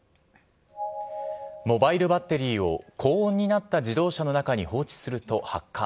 モバイルバッテリーを、高温になった自動車の中に放置すると発火。